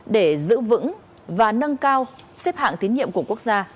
để giữ vững và nâng cao xếp hạng tín nhiệm của quốc gia